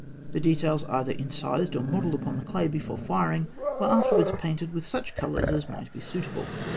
The details, either incised or modelled upon the clay before firing, were afterwards painted with such colours as might be suitable.